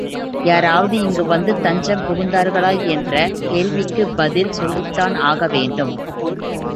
யாராவது இங்கு வந்து தஞ்சம் புகுந்தார்களா என்ற கேள்விக்குப் பதில் சொல்லித்தான் ஆக வேண்டும்.